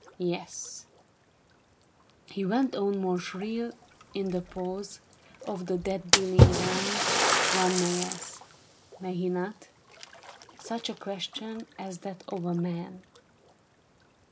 Yes," he went on more shrill, "in the pause Of the death dealing guns one may ask — may he not ?— Such a question as that of a man."